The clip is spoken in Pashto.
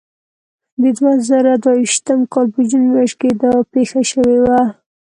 د دوه زره دوه ویشتم کال په جون میاشت کې دا پېښه شوې وه.